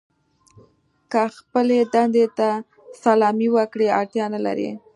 که خپلې دندې ته سلامي وکړئ اړتیا نه لرئ.